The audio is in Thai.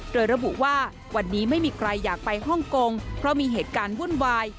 โดยระบุว่าวันนี้ไม่มีใครอยากไปฮ่องกงเพราะมีเหตุการณ์วุ่นวาย